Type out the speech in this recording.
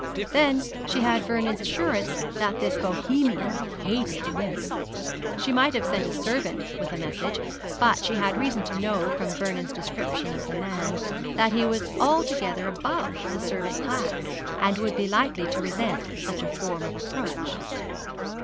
Then she had Vernon's assurance that this Bohemian hated women. She might have sent a servant with a message; but she had reason to know, from Vernon's description of the man, that he was altogether above the servant class, and would be likely to resent such a form of approach.